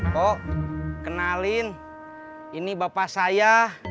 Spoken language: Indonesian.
kok kenalin ini bapak saya